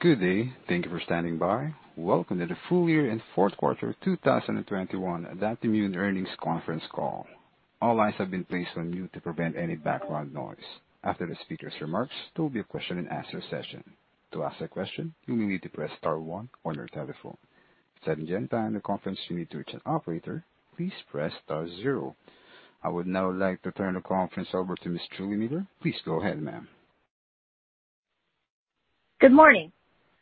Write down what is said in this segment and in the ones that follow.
Good day. Thank you for standing by. Welcome to the Full-Year and Fourth Quarter 2021 Adaptimmune Earnings Conference Call. All lines have been placed on mute to prevent any background noise. After the speaker's remarks, there will be a question-and-answer session. To ask a question, you will need to press star 1 on your telephone. To turn down the conference line or to reach an operator, please press star 0. I would now like to turn the conference over to Ms. Juli Miller. Please go ahead, ma'am. Good morning,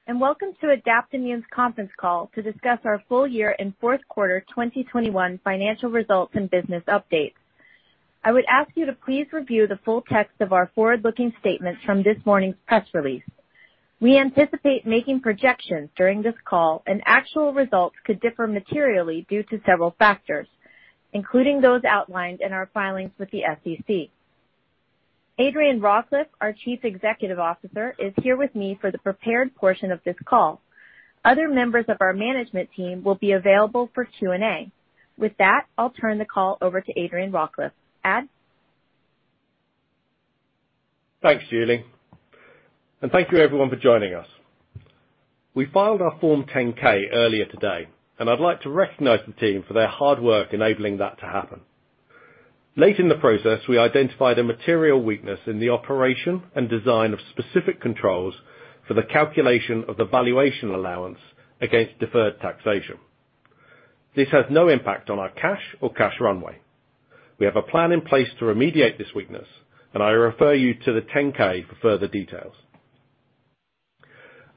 and welcome to Adaptimmune's Conference Call to discuss our Full-Year and Fourth Quarter 2021 Financial Results and Business Updates. I would ask you to please review the full text of our forward-looking statements from this morning's press release. We anticipate making projections during this call, and actual results could differ materially due to several factors, including those outlined in our filings with the SEC. Adrian Rawcliffe, our Chief Executive Officer, is here with me for the prepared portion of this call. Other members of our management team will be available for Q&A. With that, I'll turn the call over to Adrian Rawcliffe. Thanks, Juli. Thank you everyone for joining us. We filed our Form 10-K earlier today, and I'd like to recognize the team for their hard work enabling that to happen. Late in the process, we identified a material weakness in the operation and design of specific controls for the calculation of the valuation allowance against deferred taxation. This has no impact on our cash or cash runway. We have a plan in place to remediate this weakness, and I refer you to the 10-K for further details.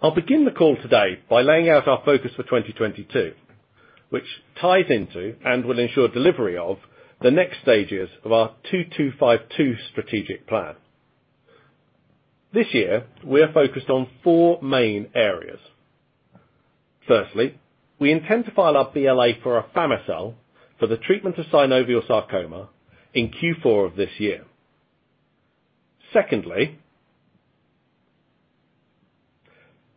I'll begin the call today by laying out our focus for 2022, which ties into and will ensure delivery of the next stages of our 2-2-5-2 strategic plan. This year, we are focused on four main areas. Firstly, we intend to file our BLA for afami-cel for the treatment of synovial sarcoma in Q4 of this year. Secondly,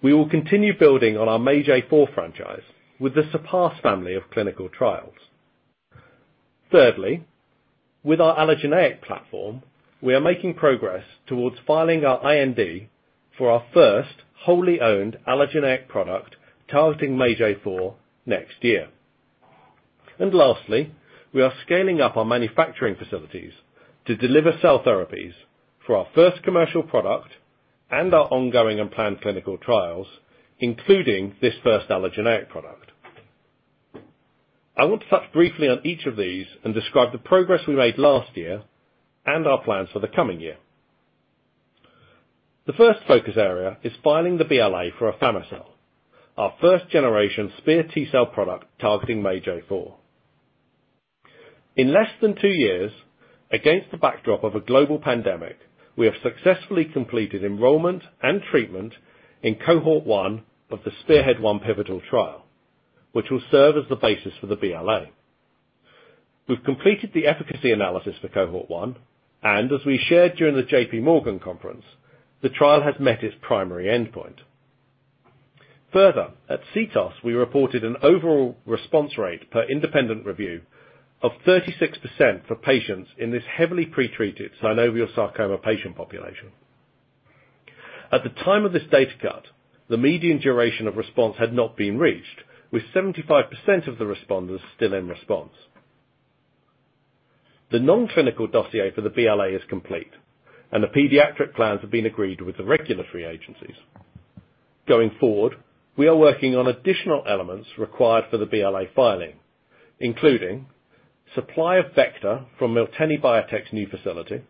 we will continue building on our MAGE-A4 franchise with the SURPASS family of clinical trials. Thirdly, with our allogeneic platform, we are making progress towards filing our IND for our first wholly owned allogeneic product targeting MAGE-A4 next year. Lastly, we are scaling up our manufacturing facilities to deliver cell therapies for our first commercial product and our ongoing and planned clinical trials, including this first allogeneic product. I want to touch briefly on each of these and describe the progress we made last year and our plans for the coming year. The first focus area is filing the BLA for afami-cel, our first-generation SPEAR T-cell product targeting MAGE-A4. In less than two years, against the backdrop of a global pandemic, we have successfully completed enrollment and treatment in cohort 1 of the SPEARHEAD-1 pivotal trial, which will serve as the basis for the BLA. We've completed the efficacy analysis for cohort 1, and as we shared during the JP Morgan conference, the trial has met its primary endpoint. Further, at CTOS, we reported an overall response rate per independent review of 36% for patients in this heavily pretreated synovial sarcoma patient population. At the time of this data cut, the median duration of response had not been reached, with 75% of the responders still in response. The non-clinical dossier for the BLA is complete, and the pediatric plans have been agreed with the regulatory agencies. Going forward, we are working on additional elements required for the BLA filing, including supply of vector from Miltenyi Biotec's new facility,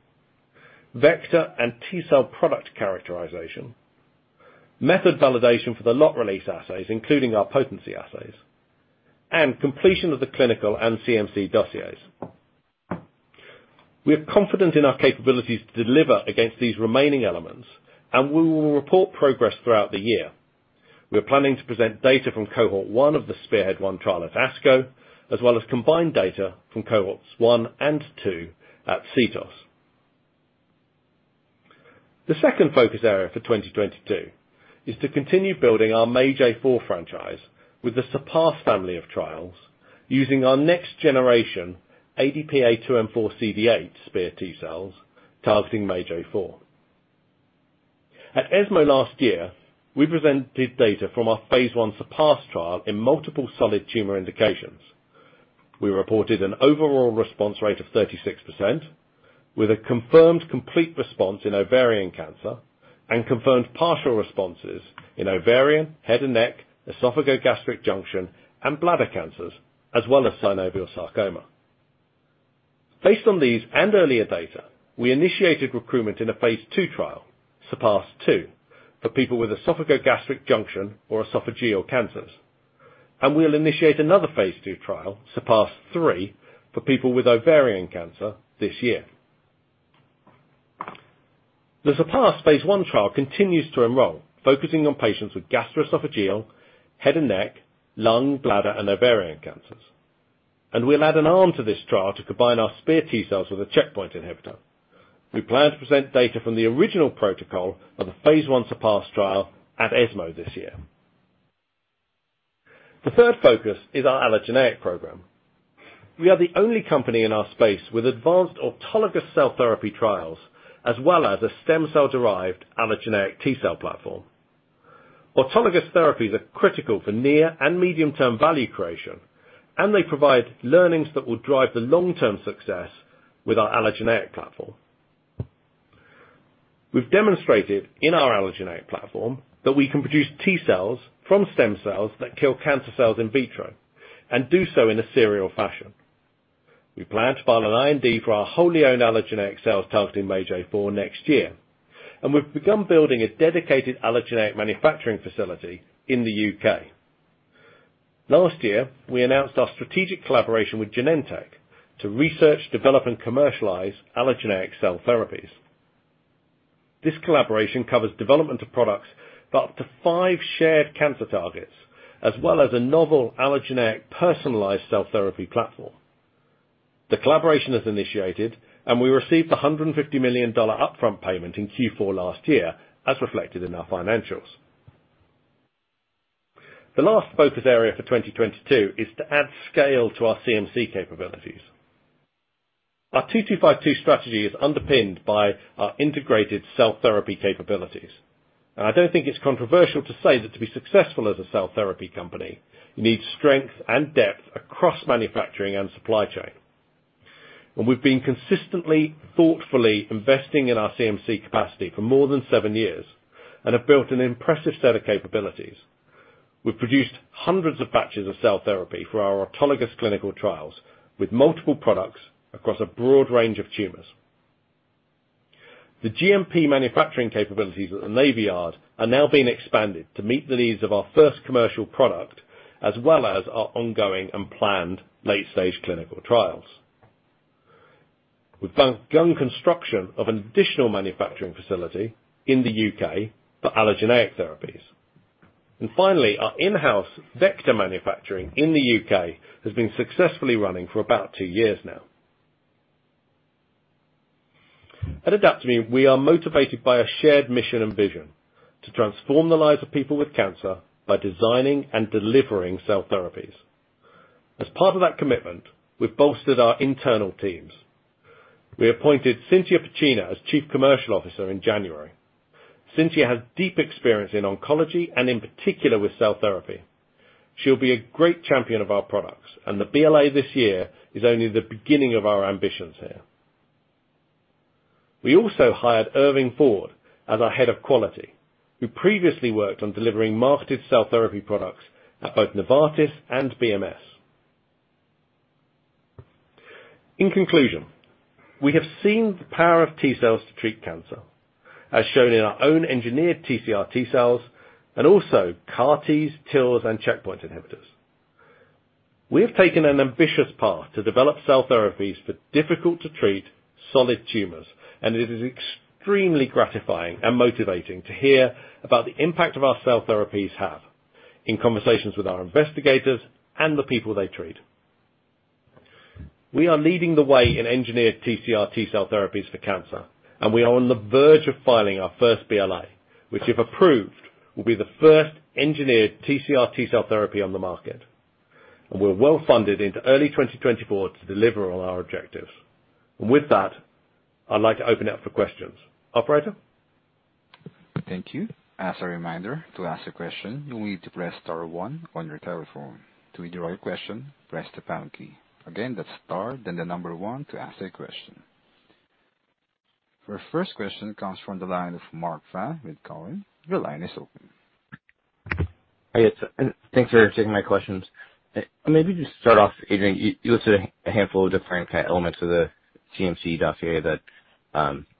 vector and T-cell product characterization, method validation for the lot release assays, including our potency assays, and completion of the clinical and CMC dossiers. We are confident in our capabilities to deliver against these remaining elements, and we will report progress throughout the year. We are planning to present data from cohort 1 of the SPEARHEAD-1 trial at ASCO, as well as combined data from Cohorts 1 and 2 at CTOS. The second focus area for 2022 is to continue building our MAGE-A4 franchise with the SURPASS family of trials using our next-generation ADP-A2M4CD8 SPEAR T-cells targeting MAGE-A4. At ESMO last year, we presented data from our Phase I SURPASS trial in multiple solid tumor indications. We reported an overall response rate of 36%, with a confirmed complete response in ovarian cancer and confirmed partial responses in ovarian, head and neck, esophagogastric junction, and bladder cancers, as well as synovial sarcoma. Based on these and earlier data, we initiated recruitment in a phase II trial, SURPASS-2, for people with esophagogastric junction or esophageal cancers. We'll initiate another phase II trial, SURPASS-3, for people with ovarian cancer this year. The SURPASS phase I trial continues to enroll, focusing on patients with gastroesophageal, head and neck, lung, bladder, and ovarian cancers. We'll add an arm to this trial to combine our SPEAR T-cells with a checkpoint inhibitor. We plan to present data from the original protocol of the phase I SURPASS trial at ESMO this year. The third focus is our allogeneic program. We are the only company in our space with advanced autologous cell therapy trials, as well as a stem cell-derived allogeneic T-cell platform. Autologous therapies are critical for near and medium-term value creation, and they provide learnings that will drive the long-term success with our allogeneic platform. We've demonstrated in our allogeneic platform that we can produce T-cells from stem cells that kill cancer cells in vitro and do so in a serial fashion. We plan to file an IND for our wholly owned allogeneic cells targeting MAGE-A4 next year, and we've begun building a dedicated allogeneic manufacturing facility in the U.K. Last year, we announced our strategic collaboration with Genentech to research, develop, and commercialize allogeneic cell therapies. This collaboration covers development of products for up to five shared cancer targets, as well as a novel allogeneic personalized cell therapy platform. The collaboration is initiated, and we received $150 million upfront payment in Q4 last year, as reflected in our financials. The last focus area for 2022 is to add scale to our CMC capabilities. Our 2-2-5-2 strategy is underpinned by our integrated cell therapy capabilities. I don't think it's controversial to say that to be successful as a cell therapy company, you need strength and depth across manufacturing and supply chain. We've been consistently, thoughtfully investing in our CMC capacity for more than seven years and have built an impressive set of capabilities. We've produced hundreds of batches of cell therapy for our autologous clinical trials with multiple products across a broad range of tumors. The GMP manufacturing capabilities at the Navy Yard are now being expanded to meet the needs of our first commercial product, as well as our ongoing and planned late-stage clinical trials. We've begun construction of an additional manufacturing facility in the U.K. for allogeneic therapies. Finally, our in-house vector manufacturing in the U.K. has been successfully running for about two years now. At Adaptimmune, we are motivated by a shared mission and vision to transform the lives of people with cancer by designing and delivering cell therapies. As part of that commitment, we've bolstered our internal teams. We appointed Cintia Piccina as Chief Commercial Officer in January. Cintia Piccina has deep experience in oncology and in particular with cell therapy. She'll be a great champion of our products, and the BLA this year is only the beginning of our ambitions here. We also hired Irving Ford as our Head of Quality, who previously worked on delivering marketed cell therapy products at both Novartis and BMS. In conclusion, we have seen the power of T-cells to treat cancer, as shown in our own engineered TCR T-cells and also CAR-Ts, TILs, and checkpoint inhibitors. We have taken an ambitious path to develop cell therapies for difficult to treat solid tumors, and it is extremely gratifying and motivating to hear about the impact of our cell therapies have in conversations with our investigators and the people they treat. We are leading the way in engineered TCR T-cell therapies for cancer, and we are on the verge of filing our first BLA, which, if approved, will be the first engineered TCR T-cell therapy on the market. We're well funded into early 2024 to deliver on our objectives. With that, I'd like to open it up for questions. Operator? Thank you. As a reminder, to ask a question, you'll need to press star 1 on your telephone. To withdraw your question, press the pound key. Again, that's star, then the number 1 to ask a question. Our first question comes from the line of Marc Frahm with Cowen. Your line is open. Thanks for taking my questions. Maybe just start off, Adrian, you listed a handful of different elements of the CMC dossier that,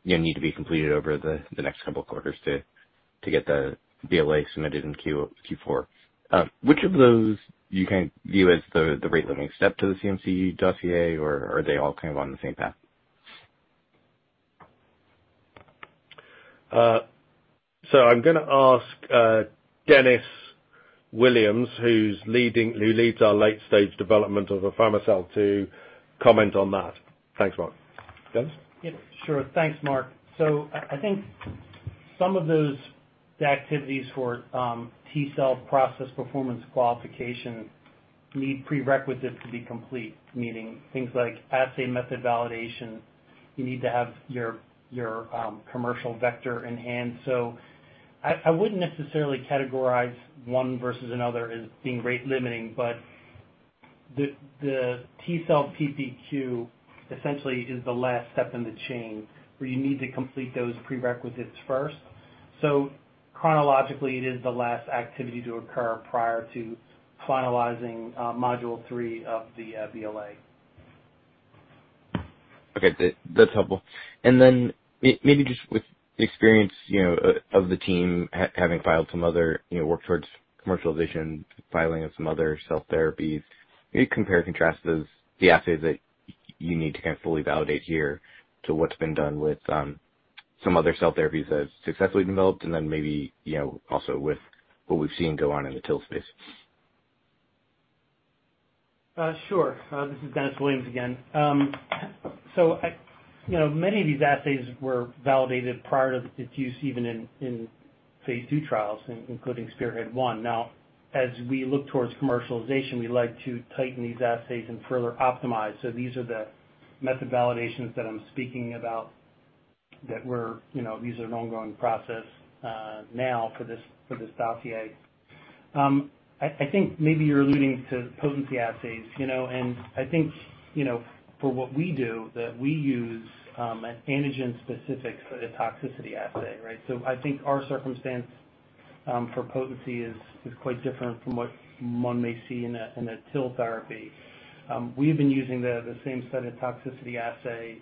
you know, need to be completed over the next couple of quarters to get the BLA submitted in Q4. Which of those do you kind of view as the rate limiting step to the CMC dossier, or are they all kind of on the same path? I'm gonna ask Dennis Williams, who leads our late-stage development of afami-cel to comment on that. Thanks, Marc. Dennis? Yeah, sure. Thanks, Marc. I think some of those activities for T-cell process performance qualification need prerequisites to be complete, meaning things like assay method validation. You need to have your commercial vector in hand. I wouldn't necessarily categorize one versus another as being rate-limiting. But the T-cell PPQ essentially is the last step in the chain, where you need to complete those prerequisites first. Chronologically, it is the last activity to occur prior to finalizing Module 3 of the BLA. Okay. That's helpful. Maybe just with the experience, you know, of the team having filed some other, you know, worked towards commercialization, filing of some other cell therapies, maybe compare and contrast those, the assays that you need to kind of fully validate here to what's been done with some other cell therapies that have successfully developed, and then maybe, you know, also with what we've seen go on in the TIL space. Sure. This is Dennis Williams again. You know, many of these assays were validated prior to its use even in phase II trials, including SPEARHEAD-1. Now, as we look towards commercialization, we like to tighten these assays and further optimize. These are the method validations that I'm speaking about. These are an ongoing process now for this dossier. I think maybe you're alluding to potency assays, you know. I think, you know, for what we do, that we use an antigen specific for the cytotoxicity assay, right? Our circumstance for potency is quite different from what one may see in a TIL therapy. We've been using the same set of cytotoxicity assay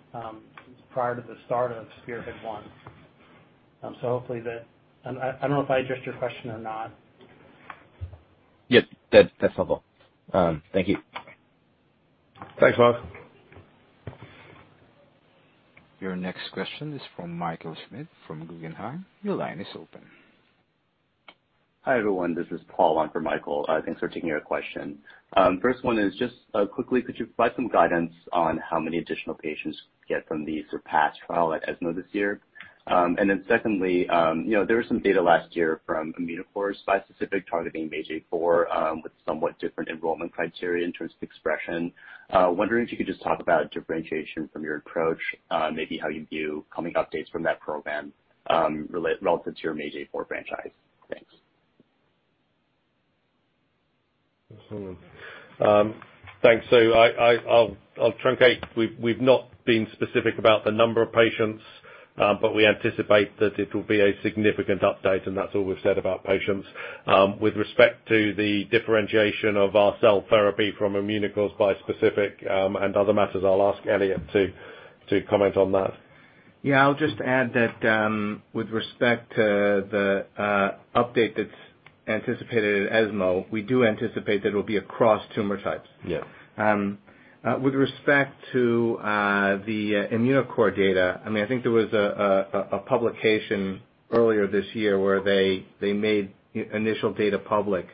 prior to the start of SPEARHEAD-1. I don't know if I addressed your question or not. Yes. That, that's helpful. Thank you. Thanks, Marc. Your next question is from Michael Schmidt from Guggenheim. Your line is open. Hi, everyone. This is Paul on for Michael. Thanks for taking our question. First one is just quickly, could you provide some guidance on how many additional patients get from the SURPASS trial at ESMO this year? Secondly, you know, there was some data last year from Immunocore's bispecific targeting MAGE-A4, with somewhat different enrollment criteria in terms of expression. Wondering if you could just talk about differentiation from your approach, maybe how you view coming updates from that program, relative to your MAGE-A4 franchise. Thanks. Thanks. I'll truncate. We've not been specific about the number of patients, but we anticipate that it will be a significant update, and that's all we've said about patients. With respect to the differentiation of our cell therapy from Immunocore's bispecific, and other matters, I'll ask Elliot to comment on that. Yeah. I'll just add that, with respect to the update that's anticipated at ESMO, we do anticipate that it'll be across tumor types. Yeah. With respect to the Immunocore data, I mean, I think there was a publication earlier this year where they made initial data public.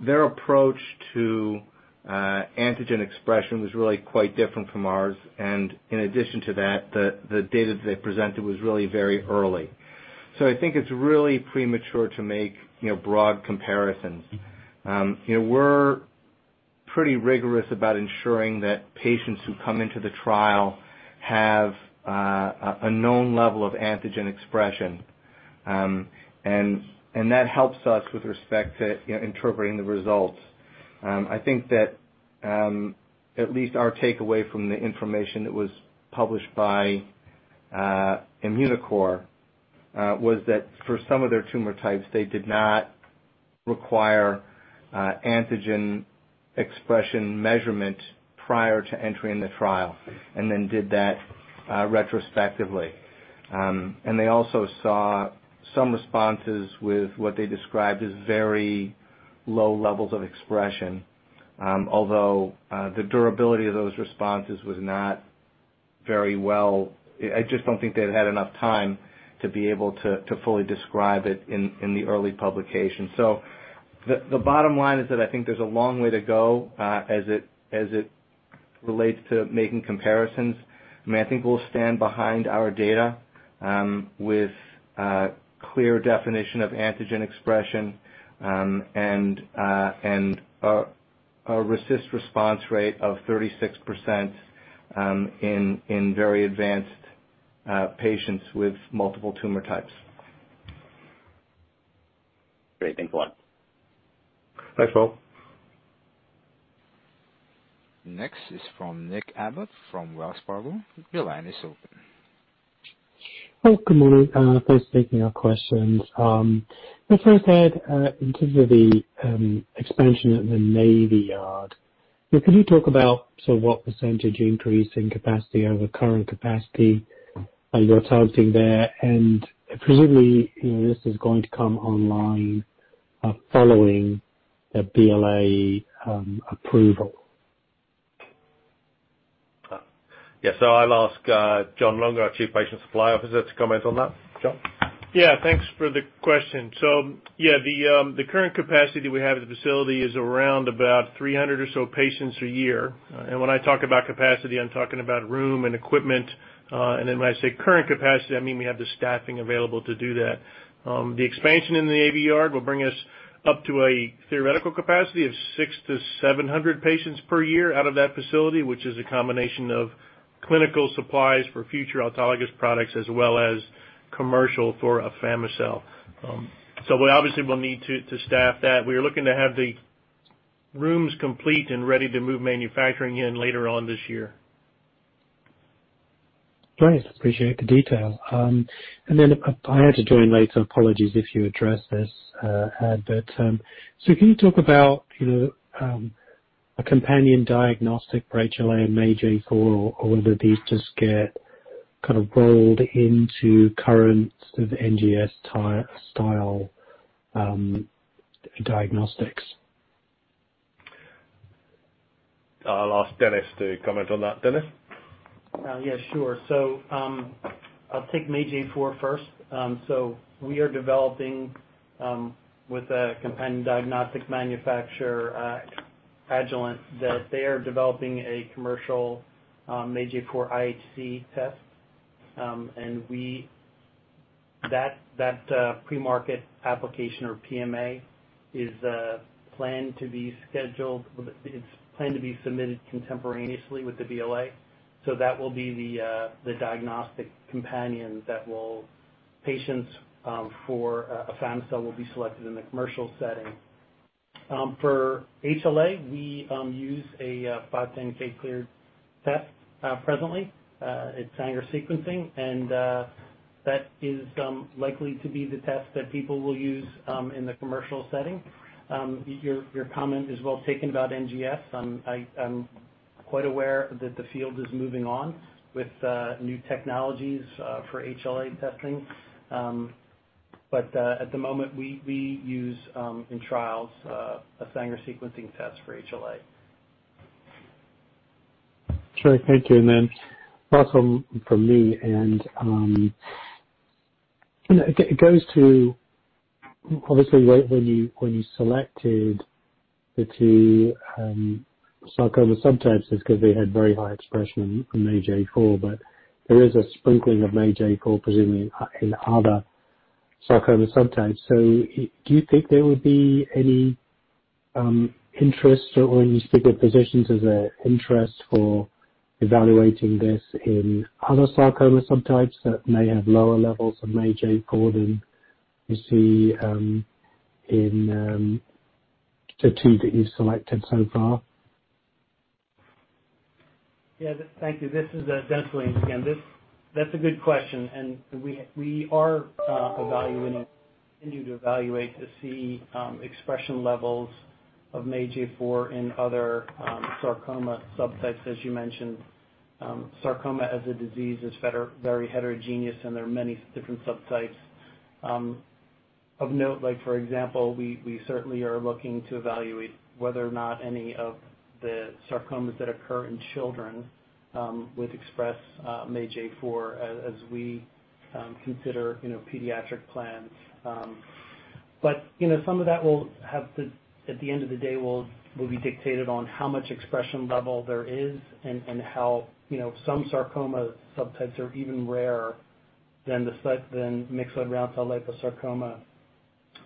Their approach to antigen expression was really quite different from ours. In addition to that, the data they presented was really very early. I think it's really premature to make, you know, broad comparisons. We're pretty rigorous about ensuring that patients who come into the trial have a known level of antigen expression. That helps us with respect to, you know, interpreting the results. I think that at least our takeaway from the information that was published by Immunocore was that for some of their tumor types, they did not require antigen expression measurement prior to entering the trial and then did that retrospectively. They also saw some responses with what they described as very low levels of expression. Although the durability of those responses was not very well, I just don't think they'd had enough time to be able to fully describe it in the early publication. The bottom line is that I think there's a long way to go as it relates to making comparisons. I mean, I think we'll stand behind our data, with a clear definition of antigen expression, and a RECIST response rate of 36%, in very advanced patients with multiple tumor types. Great. Thanks a lot. Thanks, Paul. Next is from Nick Abbott from Wells Fargo. Your line is open. Oh, good morning. Thanks for taking our questions. First, Ad, in terms of the expansion at the Navy Yard, could you talk about sort of what percentage increase in capacity over current capacity are you targeting there? Presumably, you know, this is going to come online, following the BLA approval. I'll ask John Lunger, our Chief Patient Supply Officer, to comment on that. John? Yeah. Thanks for the question. Yeah, the current capacity we have at the facility is around about 300 or so patients a year. When I talk about capacity, I'm talking about room and equipment. When I say current capacity, I mean we have the staffing available to do that. The expansion in the Navy Yard will bring us up to a theoretical capacity of 600-700 patients per year out of that facility, which is a combination of clinical supplies for future autologous products as well as commercial for afami-cel. We obviously will need to staff that. We're looking to have the rooms complete and ready to move manufacturing in later on this year. Great. Appreciate the detail. Then I had to join late, so apologies if you addressed this, Ed. Can you talk about, you know, a companion diagnostic for HLA-MAGE-A4 or whether these just get kind of rolled into current sort of NGS style diagnostics? I'll ask Dennis to comment on that. Dennis? Yeah, sure. I'll take MAGE-A4 first. We are developing with a companion diagnostics manufacturer, Agilent, that they are developing a commercial MAGE-A4 IHC test. Premarket approval or PMA is planned to be submitted contemporaneously with the BLA. That will be the diagnostic companion by which patients for afami-cel will be selected in the commercial setting. For HLA, we use a 510(k) cleared test presently. It's Sanger sequencing, and that is likely to be the test that people will use in the commercial setting. Your comment is well taken about NGS. I'm quite aware that the field is moving on with new technologies for HLA testing. At the moment, we use in trials a Sanger sequencing test for HLA. Sure. Thank you. Last one from me and, you know, it goes to obviously when you selected the two sarcoma subtypes, it's 'cause they had very high expression in MAGE-A4, but there is a sprinkling of MAGE-A4 presumably in other sarcoma subtypes. Do you think there would be any interest or in these bigger positions, is there interest for evaluating this in other sarcoma subtypes that may have lower levels of MAGE-A4 than you see in the two that you've selected so far? Yeah. Thank you. This is Dennis Williams again. That's a good question. We continue to evaluate to see expression levels of MAGE-A4 in other sarcoma subtypes, as you mentioned. Sarcoma as a disease is very heterogeneous, and there are many different subtypes. Of note, like for example, we certainly are looking to evaluate whether or not any of the sarcomas that occur in children would express MAGE-A4 as we consider, you know, pediatric plans. You know, some of that will have to, at the end of the day, be dictated on how much expression level there is and how, you know, some sarcoma subtypes are even rarer than myxoid/round cell liposarcoma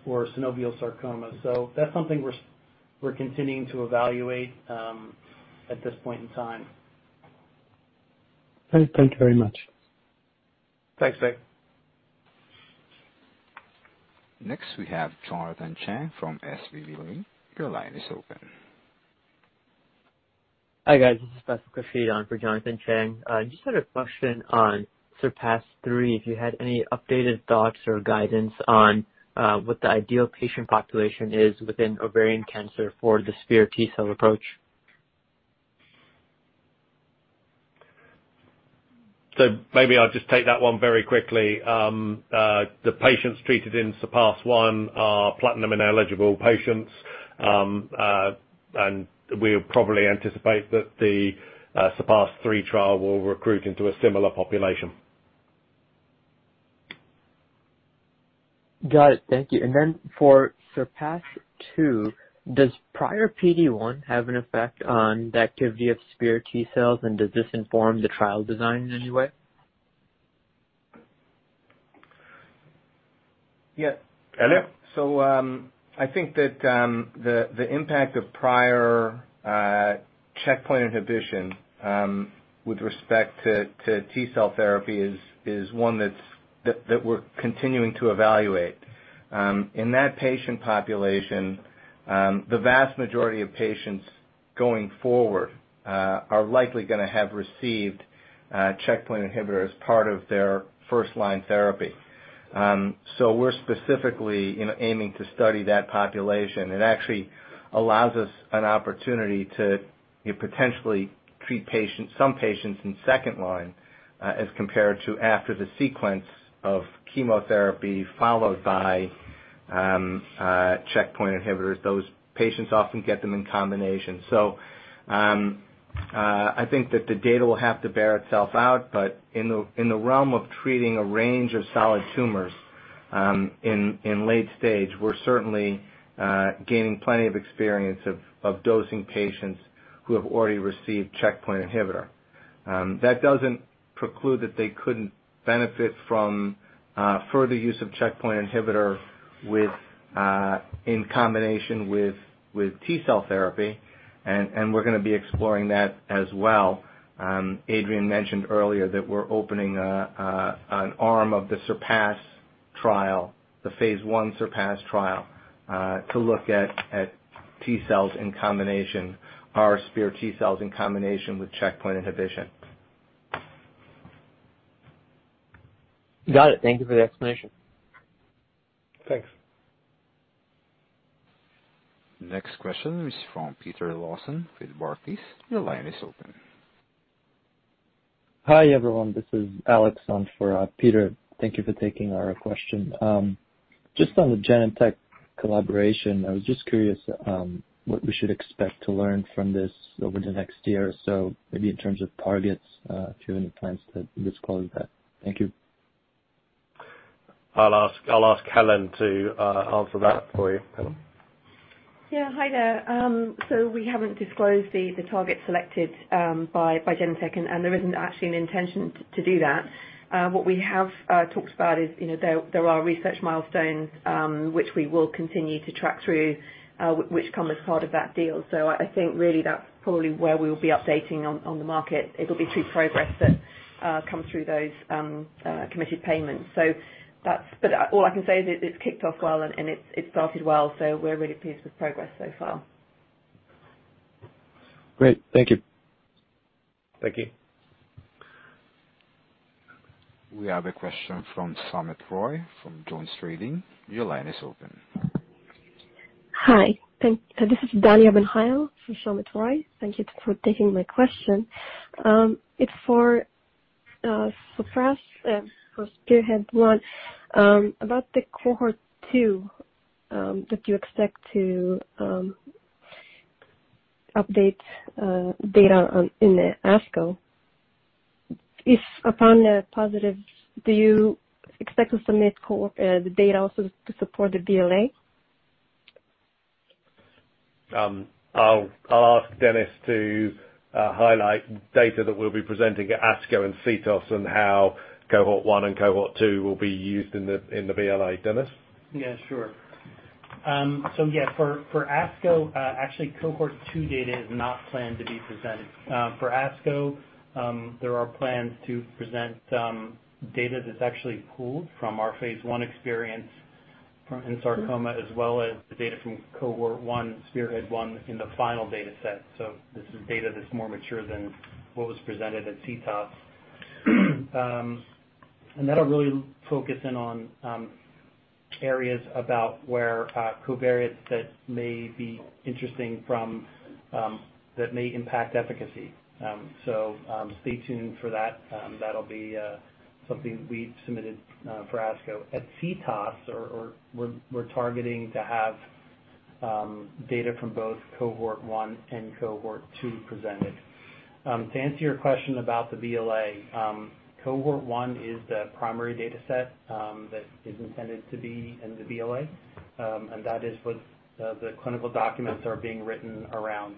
or synovial sarcoma. That's something we're continuing to evaluate at this point in time. Thank you very much. Thanks, Nick. Next, we have Jonathan Chang from SVB Leerink. Your line is open. Hi, guys. This is Faisal Khurshid on for Jonathan Chang. Just had a question on SURPASS-3, if you had any updated thoughts or guidance on what the ideal patient population is within ovarian cancer for the SPEAR T-cell approach. Maybe I'll just take that one very quickly. The patients treated in SURPASS-1 are platinum and eligible patients. We'll probably anticipate that the SURPASS-3 trial will recruit into a similar population. Got it. Thank you. For SURPASS-2, does prior PD1 have an effect on the activity of SPEAR T-cells? Does this inform the trial design in any way? Yeah. Elliot? I think that the impact of prior checkpoint inhibition with respect to T-cell therapy is one that we're continuing to evaluate. In that patient population, the vast majority of patients going forward are likely gonna have received a checkpoint inhibitor as part of their first-line therapy. We're specifically, you know, aiming to study that population. It actually allows us an opportunity to potentially treat patients, some patients in second line, as compared to after the sequence of chemotherapy followed by checkpoint inhibitors. Those patients often get them in combination. I think that the data will have to bear itself out, but in the realm of treating a range of solid tumors, in late stage, we're certainly gaining plenty of experience of dosing patients who have already received checkpoint inhibitor. That doesn't preclude that they couldn't benefit from further use of checkpoint inhibitor in combination with T-cell therapy and we're gonna be exploring that as well. Adrian mentioned earlier that we're opening an arm of the SURPASS trial, the phase I SURPASS trial, to look at T-cells in combination. Our SPEAR T-cells in combination with checkpoint inhibition. Got it. Thank you for the explanation. Thanks. Next question is from Peter Lawson with Barclays. Your line is open. Hi everyone, this is Alex on for Peter. Thank you for taking our question. Just on the Genentech collaboration, I was just curious what we should expect to learn from this over the next year or so, maybe in terms of targets, if you have any plans to disclose that. Thank you. I'll ask Helen to answer that for you. Helen. Yeah. Hi there. We haven't disclosed the target selected by Genentech, and there isn't actually an intention to do that. What we have talked about is, you know, there are research milestones which we will continue to track through which come as part of that deal. I think really that's probably where we'll be updating on the market. It'll be through progress that comes through those committed payments. But all I can say is it's kicked off well and it's started well, so we're really pleased with progress so far. Great. Thank you. Thank you. We have a question from Soumit Roy from JonesTrading. Your line is open. Hi. This is Danielle Brill from Soumit Roy. Thank you for taking my question. It's for SURPASS for SPEARHEAD-1. About the cohort 2 that you expect to update data on in the ASCO. If upon a positive, do you expect to submit cohort the data also to support the BLA? I'll ask Dennis to highlight data that we'll be presenting at ASCO and CTOS and how cohort one and cohort two will be used in the BLA. Dennis? Yeah, sure. Yeah, for ASCO, actually, cohort two data is not planned to be presented. For ASCO, there are plans to present data that's actually pooled from our phase I experience in sarcoma, as well as the data from cohort one, SPEARHEAD-1 in the final dataset. This is data that's more mature than what was presented at CTOS. That'll really focus in on areas about where covariates that may be interesting from that may impact efficacy. Stay tuned for that. That'll be something we've submitted for ASCO. At CTOS, or we're targeting to have data from both cohort one and cohort two presented. To answer your question about the BLA, cohort one is the primary dataset that is intended to be in the BLA, and that is what the clinical documents are being written around.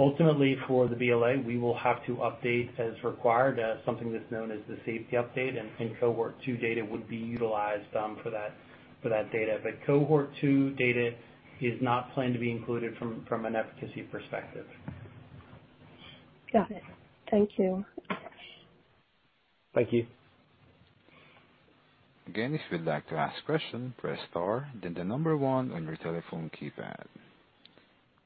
Ultimately, for the BLA, we will have to update as required something that's known as the safety update, and I think cohort two data would be utilized for that data. But cohort two data is not planned to be included from an efficacy perspective. Got it. Thank you. Thank you. Again, if you'd like to ask a question, press star then the number 1 on your telephone keypad.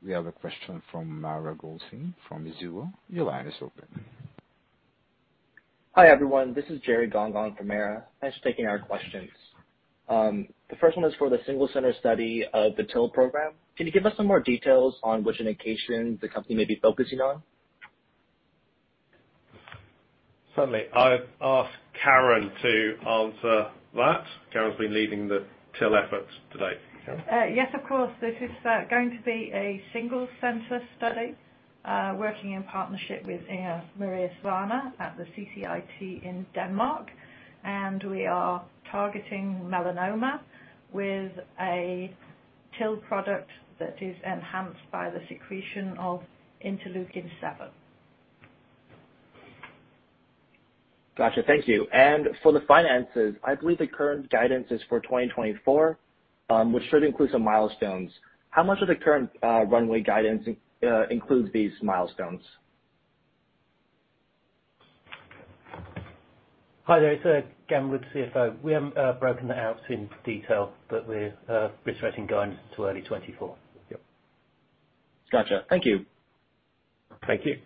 We have a question from Mara Goldstein from Mizuho. Your line is open. Hi, everyone. This is Jerry Gong on for Mara. Thanks for taking our questions. The first one is for the single center study of the TIL program. Can you give us some more details on which indication the company may be focusing on? Certainly. I'll ask Karen to answer that. Karen's been leading the TIL efforts today. Karen? Yes, of course. This is going to be a single center study, working in partnership with Inge Marie Svane at the CCIT in Denmark. We are targeting melanoma with a TIL product that is enhanced by the secretion of interleukin-7. Gotcha. Thank you. For the finances, I believe the current guidance is for 2024, which should include some milestones. How much of the current runway guidance includes these milestones? Hi there. It's Gavin, CFO. We haven't broken that out in detail, but we're reiterating guidance to early 2024. Yep. Gotcha. Thank you. Thank you.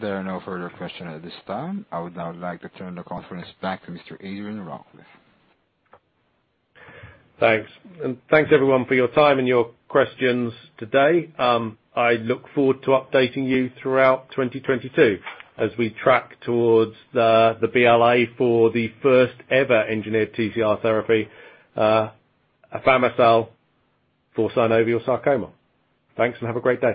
There are no further questions at this time. I would now like to turn the conference back to Mr. Adrian Rawcliffe. Thanks. Thanks everyone for your time and your questions today. I look forward to updating you throughout 2022 as we track towards the BLA for the first ever engineered TCR therapy, afami-cel for synovial sarcoma. Thanks, and have a great day.